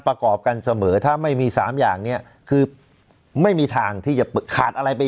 ประกอบกันเสมอถ้าไม่มี๓อย่างเนี่ยคือไม่มีทางที่จะขาดอะไรไป